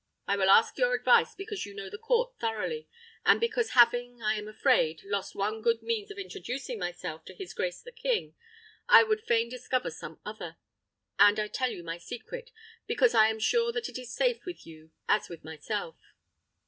I ask your advice because you know the court thoroughly, and because having, I am afraid, lost one good means of introducing myself to his grace the king, I would fain discover some other; and I tell you my secret, because I am sure that it is as safe with you as with myself."